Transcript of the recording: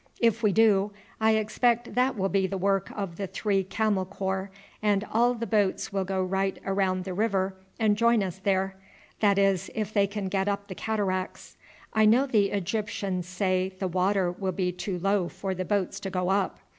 If we do I expect that will be the work of the three Camel Corps, and all the boats will go right round the river and join us there; that is, if they can get up the cataracts. I know the Egyptians say the water will be too low for the boats to go up.